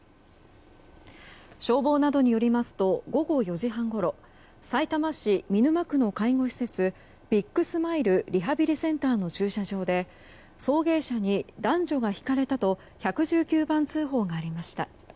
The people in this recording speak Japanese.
消防などによりますと午後４時半ごろさいたま市見沼区の介護施設ビッグスマイルリハビリセンターの駐車場で送迎車に男女がひかれたと１１９番通報がありました。